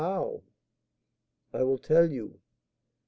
How?" "I will tell you.